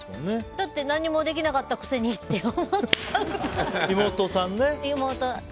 だって何にもできなかったくせにって思っちゃう。